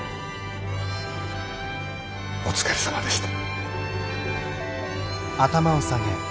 お疲れさまでした。